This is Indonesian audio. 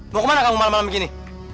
mau ke mana kamu malam malam begini